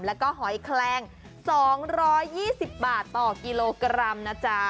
แล้วก็หอยแคลง๒๒๐บาทต่อกิโลกรัมนะจ๊ะ